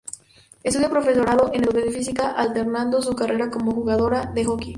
Estudia profesorado en educación física alternando su carrera como jugadora de hockey.